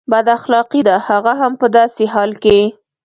بد اخلاقي ده هغه هم په داسې حال کې.